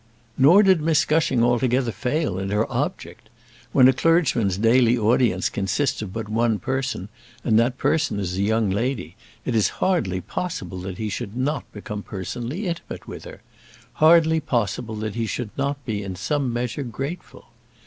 Nor did Miss Gushing altogether fail in her object. When a clergyman's daily audience consists of but one person, and that person is a young lady, it is hardly possible that he should not become personally intimate with her; hardly possible that he should not be in some measure grateful.